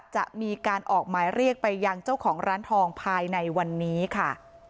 จะมีการออกหมายเรียกไปยังเจ้าของร้านทองภายในวันนี้ค่ะ